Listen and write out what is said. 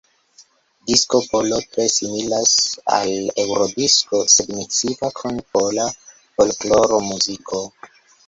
Disko polo tre similas al Eurodisko sed miksita kun pola folklormuziko.